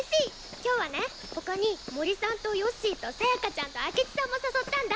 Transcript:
今日はねほかに森さんとよっしーとさやかちゃんと明智さんも誘ったんだ。